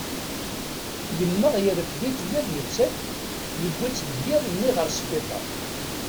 Yemmeɣ yerfed-itt ula d nettat yewwi-tt deg yiḍ-nni ɣer sbiṭar.